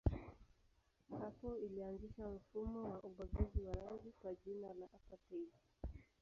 Hapo ilianzisha mfumo wa ubaguzi wa rangi kwa jina la apartheid.